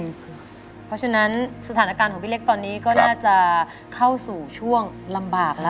เพราะฉะนั้นสถานการณ์ของพี่เล็กตอนนี้ก็น่าจะเข้าสู่ช่วงลำบากแล้ว